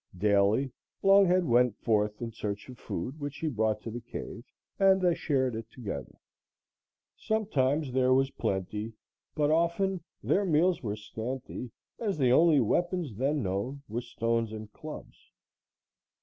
Daily Longhead went forth in search of food, which he brought to the cave and they shared it together. Sometimes there was plenty, but often their meals were scanty, as the only weapons then known were stones and clubs.